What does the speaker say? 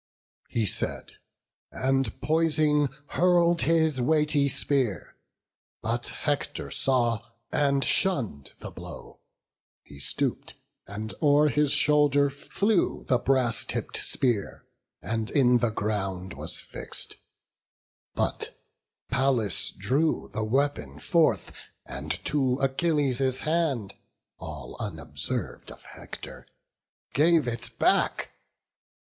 He said, and poising, hurl'd his weighty spear; But Hector saw, and shunn'd the blow; he stoop'd, And o'er his shoulder flew the brass tipp'd spear, And in the ground was fix'd; but Pallas drew The weapon forth, and to Achilles' hand, All unobserv'd of Hector, gave it back.